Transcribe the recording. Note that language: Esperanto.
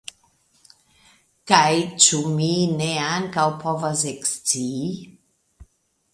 Kaj ĉu mi ne ankaŭ povas ekscii.